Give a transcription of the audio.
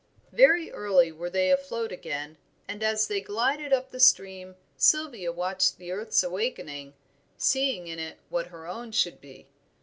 Very early were they afloat again, and as they glided up the stream Sylvia watched the earth's awakening, seeing in it what her own should be.